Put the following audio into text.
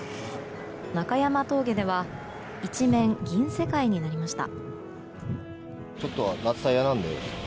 中山峠では一面銀世界になりました。